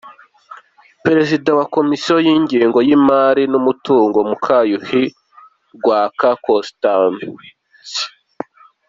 Perezida wa Komisiyo y’ingengo y’imari n’umutungo, Mukayuhi Rwaka Constance.